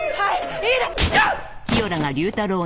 いいですよ！